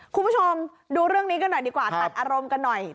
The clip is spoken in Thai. คุณผู้ชมดูเรื่องนี้กันหน่อยดีกว่าตัดอารมณ์กันหน่อย